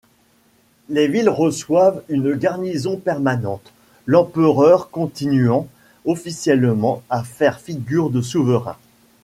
Les villes reçoivent une garnison permanente, l’empereur continuant officiellement à faire figure de souverain.